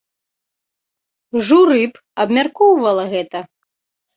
Журы б абмяркоўвала гэта.